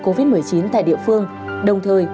covid một mươi chín tại địa phương đồng thời